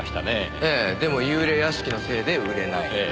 ええでも幽霊屋敷のせいで売れない。